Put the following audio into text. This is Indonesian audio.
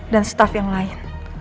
dan staff yang lain